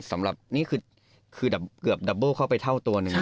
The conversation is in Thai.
สำหรับนี่คือเกือบดับโบ้เข้าไปเท่าตัวหนึ่ง